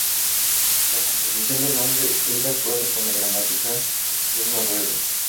La composición del nombre es de acuerdo con la gramática del noruego.